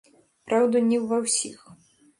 Праўда, не ва ўсіх.